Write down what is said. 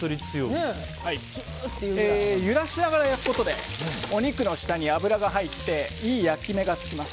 揺らしながら焼くことでお肉の下に油が入っていい焼き目が付きます。